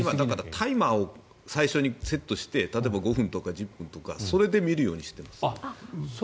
タイマーを最初にセットして５分とか１０分とかそれで見るようにしています。